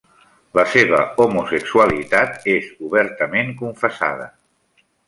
La seva homosexualitat és obertament confessada.